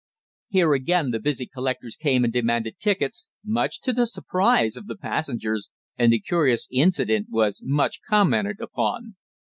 Here again the busy collectors came and demanded tickets, much to the surprise of the passengers, and the curious incident was much commented upon."